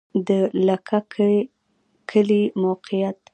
د لکه کی کلی موقعیت